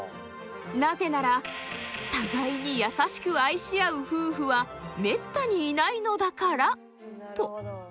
なぜなら互いに優しく愛し合う夫婦はめったにいないのだから」と。